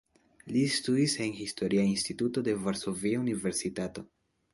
Li studis en Historia Instituto de Varsovia Universitato.